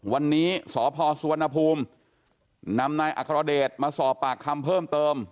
วันนี้สพสุวรรณภูมินำนายอัครเดชมาสอบปากคำเพิ่มเติม